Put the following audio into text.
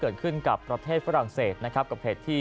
เกิดขึ้นกับประเทศฝรั่งเศสนะครับกับเหตุที่